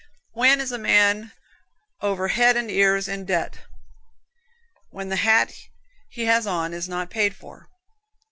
When is a man over head and ears in debt? When the hat he has on is not paid for.